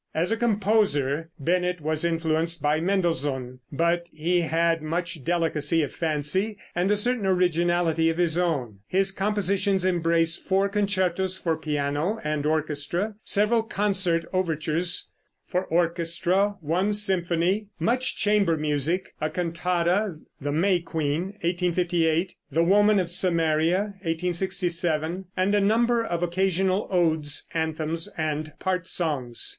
As a composer Bennett was influenced by Mendelssohn, but he had much delicacy of fancy and a certain originality of his own. His compositions embrace four concertos for piano and orchestra, several concert overtures for orchestra, one symphony, much chamber music, a cantata, "The May Queen" (1858), "The Woman of Samaria" (1867), and a number of occasional odes, anthems and part songs.